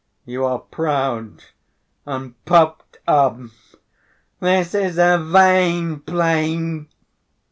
"You are proud and puffed up, this is a vain place!"